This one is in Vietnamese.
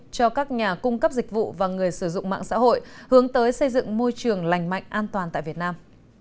cho các nhà cung cấp dịch vụ và người sử dụng mạng xã hội hướng tới xây dựng môi trường lành mạnh an toàn tại việt nam